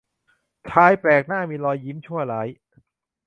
ชายแปลกหน้ามีรอยยิ้มชั่วร้าย